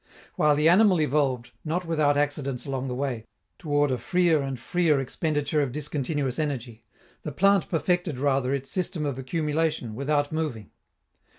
While the animal evolved, not without accidents along the way, toward a freer and freer expenditure of discontinuous energy, the plant perfected rather its system of accumulation without moving.